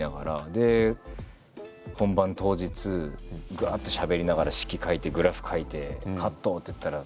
で本番当日ぐわってしゃべりながら式書いてグラフ描いて「カット！」って言ったら先生